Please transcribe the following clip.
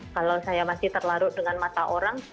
kalau saya masih terlarut dengan mata orang